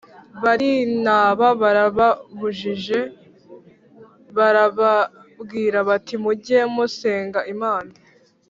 Barinaba barababujije barababwira bati mujye musenga Imana